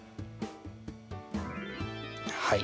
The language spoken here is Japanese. はい。